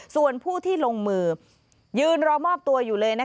ส่วนผู้ที่ลงมือยืนรอมอบตัวอยู่เลย